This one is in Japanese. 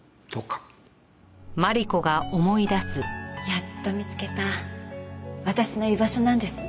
やっと見つけた私の居場所なんです。